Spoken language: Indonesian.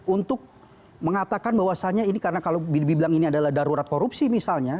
untuk mengatakan bahwasannya ini karena kalau dibilang ini adalah darurat korupsi misalnya